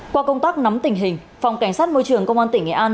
qua công tác nắm tình hình phòng cảnh sát môi trường công an tỉnh nghệ an